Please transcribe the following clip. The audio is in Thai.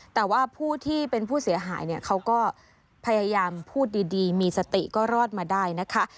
แต่ว่าผู้ที่เป็นผู้เสียหายเนี่ยเขาก็พยายามพูดดีมีสติก็รอดมาได้นะคะ